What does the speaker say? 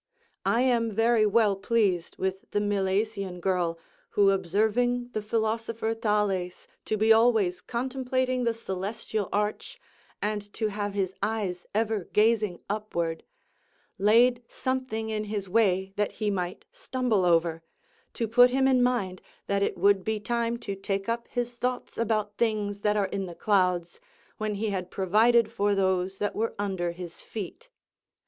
I am very well pleased with the Milesian girl, who observing the philosopher Thales to be always contemplating the celestial arch, and to have his eyes ever gazing upward, laid something in his way that he might stumble over, to put him in mind that it would be time to take up his thoughts about things that are in the clouds when he had provided for those that were under his feet.